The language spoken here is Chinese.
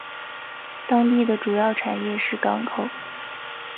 当地的主要产业是港口。